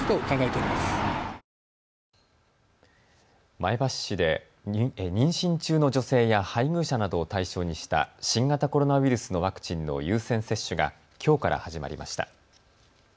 前橋市で妊娠中の女性や配偶者などを対象にした新型コロナウイルスのワクチンの優先接種がきょうから始まりました。